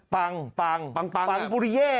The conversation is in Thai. ปังปังปังปุริเย่